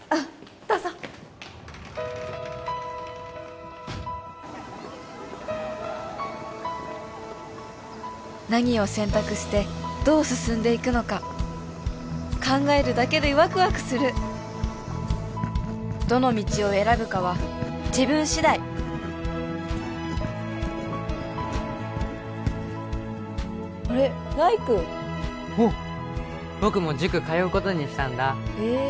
どうぞ何を選択してどう進んでいくのか考えるだけでワクワクするどの道を選ぶかは自分次第あれ来玖おう僕も塾通うことにしたんだへえ